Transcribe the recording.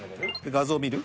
画像見る？